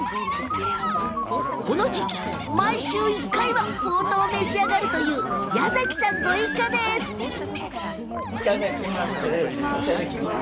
この時期、毎週１回はほうとうを召し上がるという矢崎さんご一家です。